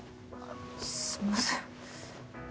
すんません。